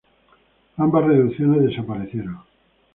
Ambas reducciones desaparecieron.